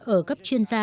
ở cấp chuyên gia